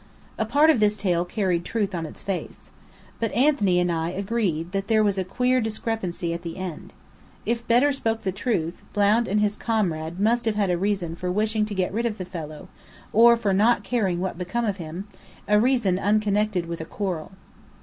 A part of this tale carried truth on its face. But Anthony and I agreed that there was a queer discrepancy at the end. If Bedr spoke the truth, Blount and his comrade must have had a reason for wishing to get rid of the fellow, or for not caring what became of him, a reason unconnected with a quarrel.